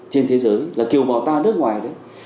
trên thế giới là kiều bào ta nước ngoài